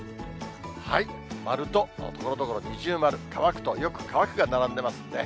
丸とところどころ二重丸、乾くとよく乾くが並んでますね。